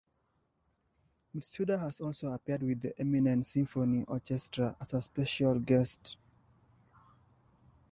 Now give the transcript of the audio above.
Mitsuda has also appeared with the Eminence Symphony Orchestra as a special guest.